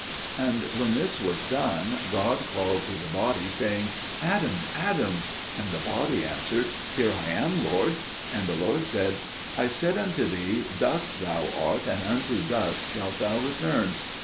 And when this was done, God called to the body, saying, "Adam, Adam!" And the body answered, "Here am I, Lord." And the Lord said, "I said unto thee, 'Dust thou art and unto dust shalt thou return.'